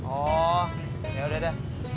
oh ya udah dah